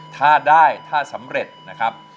ถ้าได้ถ้าสำเร็จนะครับ